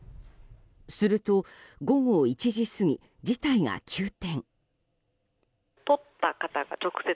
すると、午後１時過ぎ事態が急転。